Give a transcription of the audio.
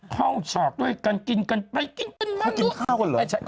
ท่องฉอกด้วยกันกินกันไปกินกันมา